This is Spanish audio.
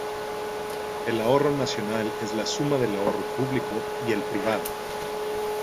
El ahorro nacional es la suma del ahorro público y el privado.